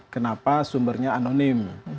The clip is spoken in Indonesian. kenapa sumbernya anonim